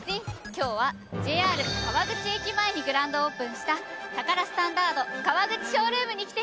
今日はＪＲ川口駅前にグランドオープンしたタカラスタンダード川口ショールームに来ているの。